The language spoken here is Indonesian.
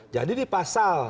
jadi di pasal